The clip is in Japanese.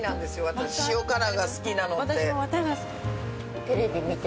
私塩辛が好きなのって。